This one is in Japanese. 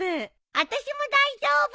あたしも大丈夫！